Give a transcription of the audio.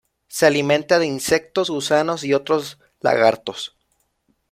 Se alimenta de insectos, gusanos y otros lagartos.